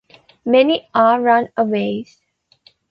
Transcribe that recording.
Many are "runaways".